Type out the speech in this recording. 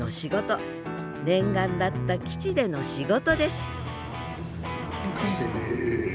念願だった基地での仕事です完成です。